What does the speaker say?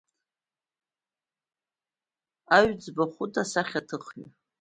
Аҩӡба Хәыта асахьаҭыхҩы.